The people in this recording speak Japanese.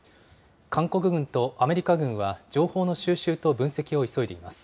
韓国軍とアメリカ軍は情報の収集と分析を急いでいます。